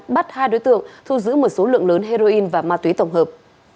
bắt hai đối tượng thu giữ một số lượng lớn heroin và ma túy tổng hợp